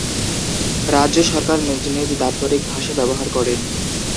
রাজ্য সরকার নিজ নিজ দাপ্তরিক ভাষা ব্যবহার করে।